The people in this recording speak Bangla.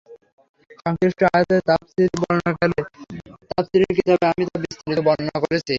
সংশ্লিষ্ট আয়াতের তাফসীর বর্ণনাকালে তাফসীরের কিতাবে আমি তা বিস্তারিত বর্ণনা করেছি।